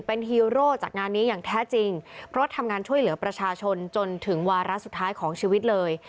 เป็นฮีโร่จากงานนี้อย่างแท้จริงเพราะทำงานช่วยเหลือประชาชนจนถึงวาระสุดท้ายของชีวิตเลย